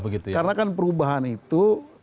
oh iya karena kan perubahan itu